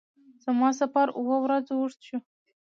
زما سفر اووه ورځو اوږد شو.